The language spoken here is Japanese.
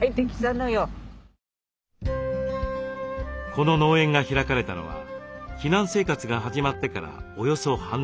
この農園が開かれたのは避難生活が始まってからおよそ半年後。